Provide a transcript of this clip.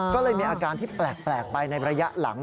ก็เลยมีอาการที่แปลกไปในระยะหลัง